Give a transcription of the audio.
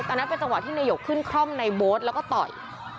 อันนั้นเป็นจังหวะที่นายกขึ้นคร่อมในโบ๊ทแล้วก็ต่อย